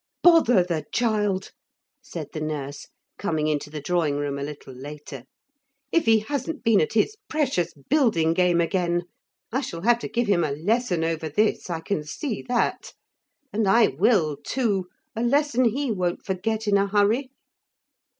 ....... 'Bother the child,' said the nurse, coming into the drawing room a little later; 'if he hasn't been at his precious building game again! I shall have to give him a lesson over this I can see that. And I will too a lesson he won't forget in a hurry.'